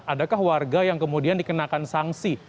adakah warga yang kemudian dikenakan sanksi